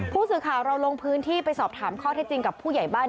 ผู้สื่อข่าวเราลงพื้นที่ไปสอบถามข้อเท็จจริงกับผู้ใหญ่บ้าน